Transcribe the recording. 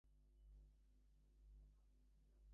Smiling, she heads inside.